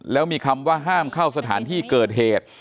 แล้วมีคำว่าห้ามเข้าสถานที่เกิดเหตุ